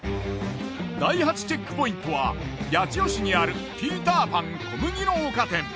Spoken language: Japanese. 第８チェックポイントは八千代市にあるピーターパン小麦の丘店。